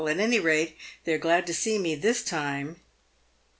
" At any rate they are glad to see me this time."